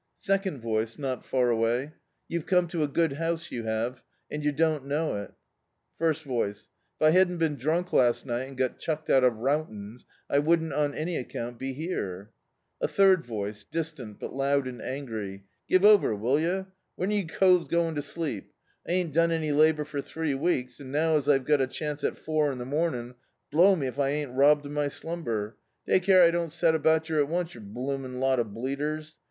Second voice, not far away: "You've come to a good house, you have, and yer dcKi't know it." First voice: "If I hadn't been drunk last nig^t and got diucked out of Rowton's, I wouldn't, on any accoimt, be here." A third voice, distant, but loud and angry: "Give over, will yer : when are you coves going to sleep? I ain't done any labour for three weeks, and now as I've got a chance at four in the momin', blow me if I ain't robbed of my slumber. Take care I don't set about yer at once, yer blooming lot of bleeders.